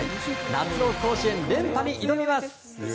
夏の甲子園連覇に挑みます。